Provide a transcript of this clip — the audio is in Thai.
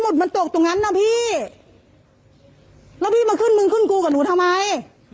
มันตกตรงนั้นนะพี่แล้วพี่มาขึ้นมึงขึ้นกูกับหนูทำไม